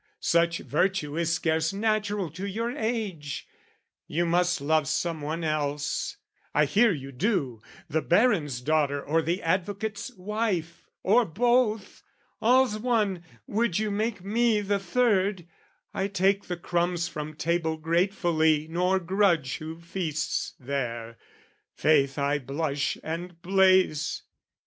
"Such virtue is scarce natural to your age: "You must love someone else; I hear you do, "The baron's daughter or the Advocate's wife, "Or both, all's one, would you make me the third "I take the crumbs from table gratefully "Nor grudge who feasts there. 'Faith, I blush and blaze!